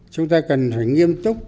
chúng ta cần phải nghiêm túc